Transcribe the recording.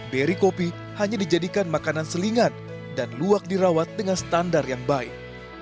beri kopi hanya dijadikan makanan selingan dan luak dirawat dengan standar yang baik